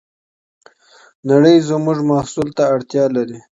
نړۍ زموږ محصول ته اړتیا لري.